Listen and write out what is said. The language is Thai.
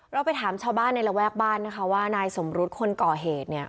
เราไปถามชาวบ้านในระแวกบ้านนะคะว่านายสมรุษคนก่อเหตุเนี่ย